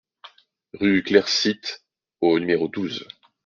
Rue Clair Site au numéro douze